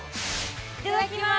いただきます。